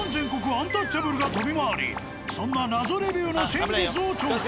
アンタッチャブルが飛び回りそんな謎レビューの真実を調査。